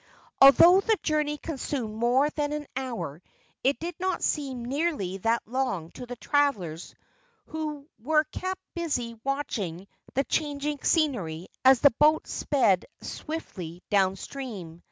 Although the journey consumed more than an hour it did not seem nearly that long to the travelers who were kept busy watching the changing scenery as the boat sped swiftly downstream.